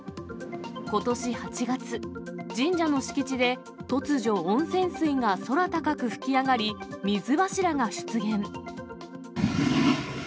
ことし８月、神社の敷地で突如、温泉水が空高く噴き上がり、水柱が出現。